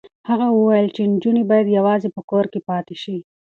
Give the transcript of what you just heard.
هغه وویل چې نجونې باید یوازې په کور کې پاتې شي.